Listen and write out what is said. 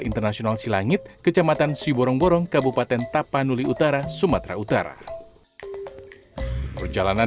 internasional silangit kecamatan siborong borong kabupaten tapanuli utara sumatera utara perjalanan